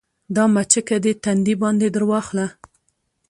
دا مچکه دې تندي باندې درواخله